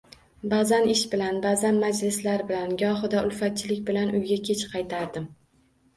Ba'zan ish bilan, ba'zan majlislar bilan, gohida ulfatchilik bilan uyga kech qaytardim.